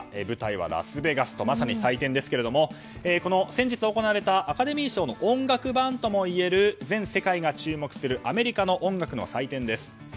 舞台はラスベガスとまさに祭典ですけれども先日行われたアカデミー賞の音楽版ともいわれる全世界が注目するアメリカの音楽の祭典です。